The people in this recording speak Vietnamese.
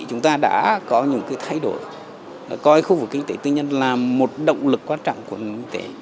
chúng ta đã có những thay đổi coi khu vực kinh tế tư nhân là một động lực quan trọng của nền kinh tế